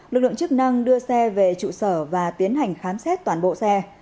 lực lượng chức năng đưa xe về trụ sở và tiến hành khám xét toàn bộ xe